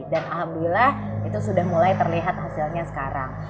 dan alhamdulillah itu sudah mulai terlihat hasilnya sekarang